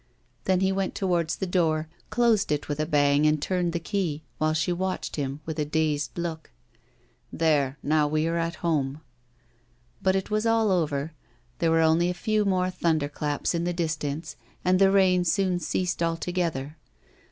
Then he went towards the door, closed it with a bang and turned the key, while she watched him with a dazed look. 'There, now, we are at home.' But it was all over. There were only a few more thunder claps in the distance, and the rain soon ceased altogether.